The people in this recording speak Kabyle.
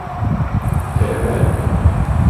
Terba-d.